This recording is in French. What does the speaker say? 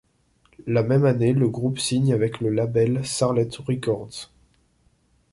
La même année, le groupe signe avec le label Sarlet Records.